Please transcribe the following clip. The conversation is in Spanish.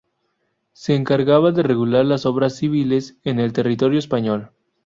Se encargaba de regular las obras civiles en el territorio español.